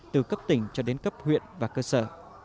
từ cấp tỉnh cho đến cấp huyện và cơ sở